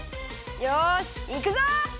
よしいくぞ！